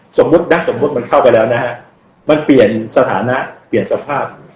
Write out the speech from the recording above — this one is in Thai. สมมุตินะสมมุติมันเข้าไปแล้วนะฮะมันเปลี่ยนสถานะเปลี่ยนสภาพ